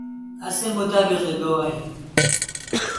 اسی مطابق گوا این۔